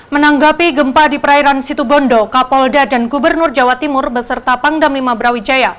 menanggapi gempa di perairan situbondo kapolda dan gubernur jawa timur beserta pangdam lima brawijaya